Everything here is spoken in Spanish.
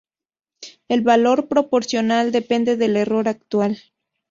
El valor Proporcional depende del error actual.